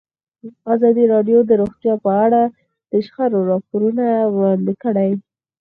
ازادي راډیو د روغتیا په اړه د شخړو راپورونه وړاندې کړي.